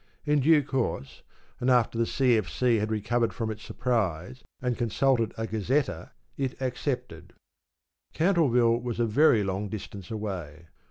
In due course, and after the C.F.C. had recovered from its surprise, and consulted a ‘Gazetteer,’ it accepted. Cantleville was a very long distance away.